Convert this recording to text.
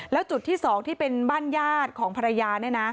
แล้วจุดที่๒ที่เป็นบ้านญาติของภรรยา